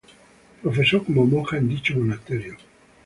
Profesó como monja en dicho monasterio.